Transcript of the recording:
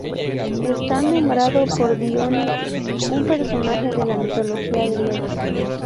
Está nombrado por Dione, un personaje de la mitología griega.